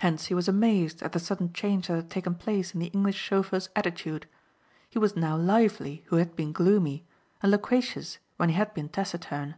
Hentzi was amazed at the sudden change that had taken place in the English chauffeur's attitude. He was now lively who had been gloomy, and loquacious when he had been taciturn.